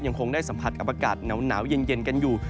ยังคงได้สัมผัสกับอากาศหนาวเย็นกันอยู่